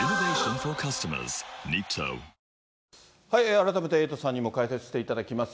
改めて、エイトさんにも解説していただきます。